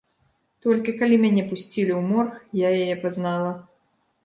Толькі калі мяне пусцілі ў морг, я яе пазнала.